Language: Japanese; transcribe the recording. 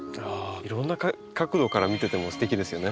いろんな角度から見ててもすてきですよね。